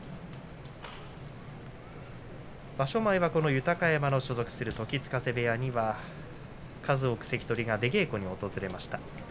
場所前は豊山が所属する時津風部屋には数多く関取が出稽古に訪れました。